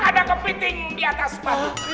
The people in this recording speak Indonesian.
ada kepiting diatas bahu